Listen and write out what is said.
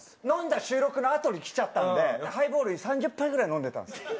飲んだ収録のあとに来ちゃったんでハイボール３０杯ぐらい飲んでたんです。